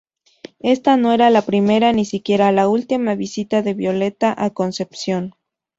Ésta no era la primera ni sería la última visita de Violeta a Concepción.